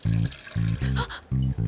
あっ！